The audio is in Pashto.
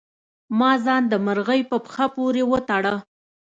ما ځان د مرغۍ په پښه پورې وتړه.